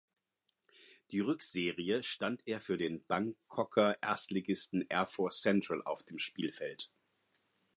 Die Rückserie stand er für den Bangkoker Erstligisten Air Force Central auf dem Spielfeld.